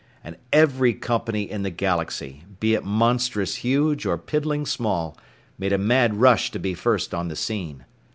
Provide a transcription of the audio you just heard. And every company in the Galaxy, be it monstrous huge or piddling small, made a mad rush to be first on the scene.